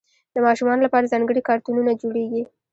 د ماشومانو لپاره ځانګړي کارتونونه جوړېږي.